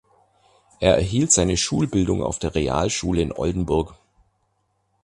Er erhielt seine Schulbildung auf der Realschule in Oldenburg.